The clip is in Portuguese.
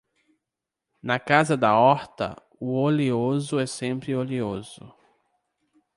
Na casa da horta, o oleoso é sempre oleoso.